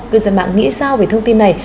cư dân mạng nghĩ sao về thông tin này